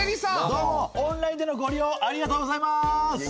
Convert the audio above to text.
どうもオンラインでのご利用ありがとうございます。